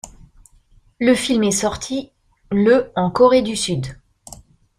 Le film est sorti le en Corée du Sud.